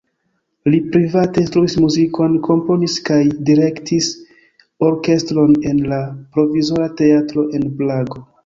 Li private instruis muzikon, komponis kaj direktis orkestron en la Provizora Teatro en Prago.